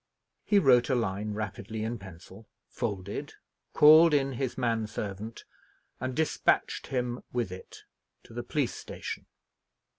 He wrote a line rapidly in pencil, folded, called in his man servant, and despatched him with it to the police station.